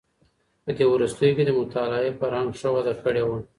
په دې وروستيو کي د مطالعې فرهنګ ښه وده کړې وه.